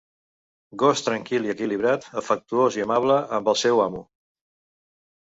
Gos tranquil i equilibrat, afectuós i amable amb el seu amo.